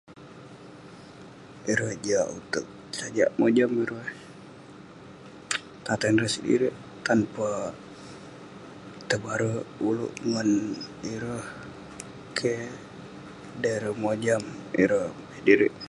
Ireh jiak uteg, sajak mojam ireh tatan ireh sendirik. [unintelligible] tebare ulouk ngan ireh. Keh. Dey ireh mojam ireh sedirik-